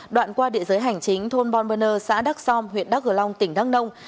đoạn qua địa giới hành chính thôn bonberner xã đắc xom huyện đắc gửa long tỉnh đăng nông